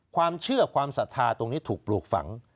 ความเชื่อความศรัทธาตรงนี้ถูกปลูกฝัง